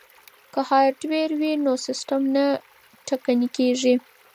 که هارډویر وي نو سیستم نه ټکنی کیږي.